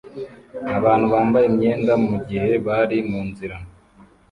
Abantu bambaye imyenda mugihe bari munzira